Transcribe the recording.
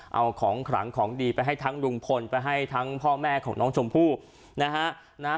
เอาของขลังของดีไปให้ทั้งลุงพลไปให้ทั้งพ่อแม่ของน้องชมพู่นะฮะ